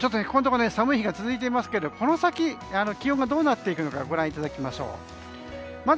ここのところ寒い日が続いていますがこの先気温がどうなっていくのかご覧いただきましょう。